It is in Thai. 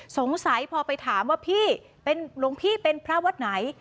สงสัยพอไปถามว่าพี่เป็นหลวงพี่เป็นพระวัดไหน